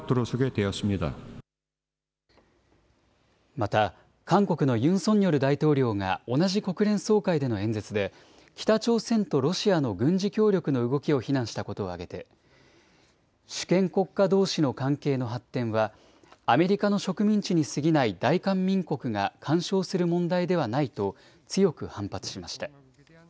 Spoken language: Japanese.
また韓国のユン・ソンニョル大統領が同じ国連総会での演説で北朝鮮とロシアの軍事協力の動きを非難したことを挙げて主権国家どうしの関係の発展はアメリカの植民地にすぎない大韓民国が干渉する問題ではないと強く反発しました。